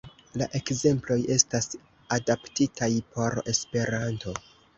La ekzemploj estas adaptitaj por Esperanto.